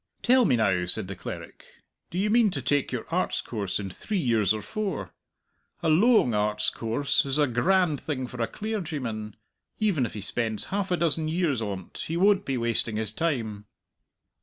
"Tell me now," said the cleric, "do you mean to take your Arts course in three years or four? A loang Arts course is a grand thing for a clairgyman. Even if he spends half a dozen years on't he won't be wasting his time!"